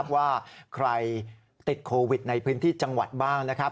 ว่าใครติดโควิดในพื้นที่จังหวัดบ้างนะครับ